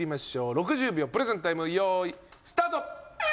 ６０秒プレゼンタイム用意スタート！